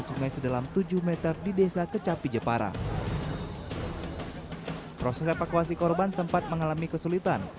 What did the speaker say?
sungai sedalam tujuh m di desa kecapi jepara proses evakuasi korban sempat mengalami kesulitan